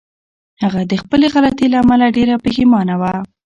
هغه د خپلې غلطۍ له امله ډېره پښېمانه وه.